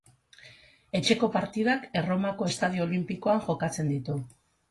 Etxeko partidak Erromako Estadio Olinpikoan jokatzen ditu.